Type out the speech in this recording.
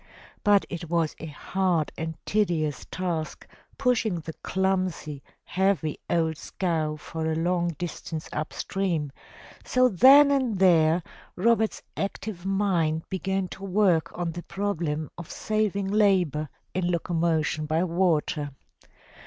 But it was a hard and tedious task pushing the clumsy, heavy old scow for a long distance up stream, so then and there Robert's active mind began to work on the problem of saving labor in locomotion by water.